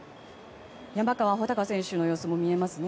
山川穂高選手の様子も見られました。